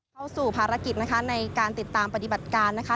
เข้าสู่ภารกิจนะคะในการติดตามปฏิบัติการนะคะ